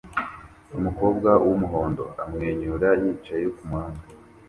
Umukobwa wumuhondo amwenyura yicaye kumuhanda